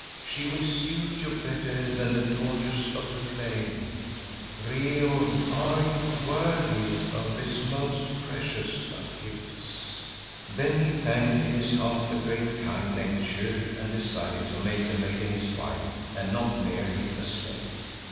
She will suit you better than the daughters of the plain. Reor, are you worthy of this most precious of gifts?" Then he thanked in his heart the great, kind Nature and decided to make the maiden his wife and not merely a slave.